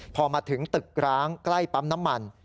พอมาถึงตึกร้างใกล้ปั๊มน้ำมัน